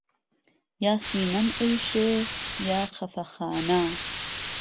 یا سینهم ئهیشێ، یا خهفهخانه